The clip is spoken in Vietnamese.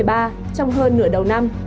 trong hơn nửa đầu năm